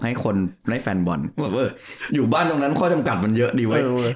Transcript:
ให้คนได้แฟนบอลอยู่บ้านตรงนั้นข้อจำกัดมันเยอะดีเว้ย